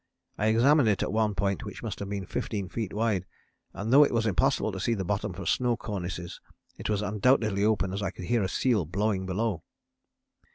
I examined it at one point which must have been 15 feet wide, and though it was impossible to see the bottom for snow cornices it was undoubtedly open as I could hear a seal blowing below."